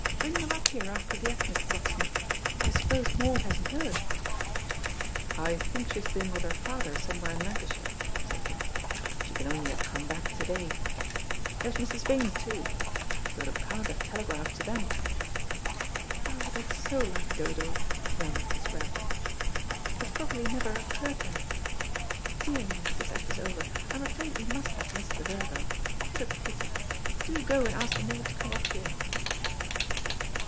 Bring them up here after the act, Mr. Broxton. I suppose Maud hasn't heard?" "I think she's been with her father somewhere in Lancashire," said Jack. "She can only have come back to day. There is Mrs. Vane, too. Dodo can't have telegraphed to them." "Oh, that's so like Dodo," murmured Miss Grantham; "it probably never occurred to her. Dear me, this act is over. I am afraid we must have missed the 'Virgo.' What a pity. Do go, and ask them all to come up here."